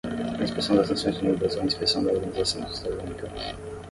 a inspeção das Nações Unidas ou a inspeção da Organização dos Estados Americanos